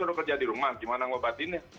udah kerja di rumah gimana ngobatinnya